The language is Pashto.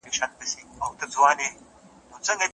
تر ماښام پوري یې هیڅ نه وه خوړلي